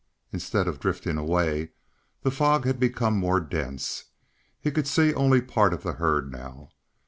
Instead of drifting away, the fog had become more dense. He could see only part of the herd now.